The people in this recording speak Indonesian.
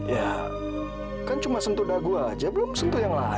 ya kan cuma sentuh dagu aja belum sentuh yang lain